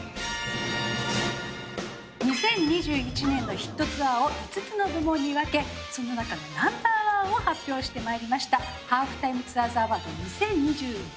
２０２１年のヒットツアーを５つの部門に分けその中のＮｏ．１を発表してまいりましたハーフタイムツアーズアワード２０２１。